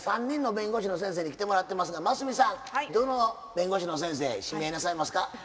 ３人の弁護士の先生に来てもらってますがますみさんどの弁護士の先生指名なさいますか？